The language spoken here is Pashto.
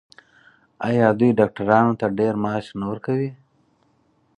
آیا دوی ډاکټرانو ته ډیر معاش نه ورکوي؟